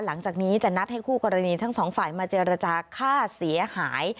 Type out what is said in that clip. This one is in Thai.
หลังจากนี้จะนัดให้คู่กรณีทั้งสองฝ่ายมาเจรจาค่าเสียหาย